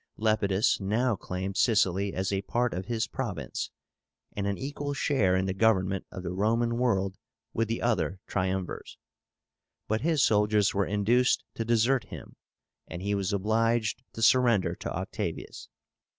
Lepidus now claimed Sicily as a part of his province, and an equal share in the government of the Roman world with the other Triumvirs. But his soldiers were induced to desert him, and he was obliged to surrender to Octavius.